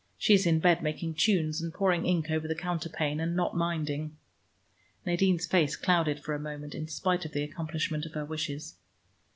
She is in bed making tunes and pouring ink over the counterpane, and not minding." Nadine's face clouded for a moment, in spite of the accomplishment of her wishes.